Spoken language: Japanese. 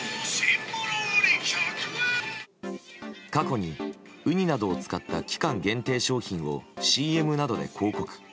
過去に、ウニなどを使った期間限定商品をＣＭなどで広告。